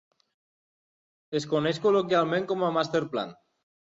Es coneix col·loquialment com a "Master Plan".